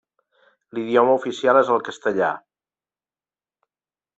L'idioma oficial és el castellà.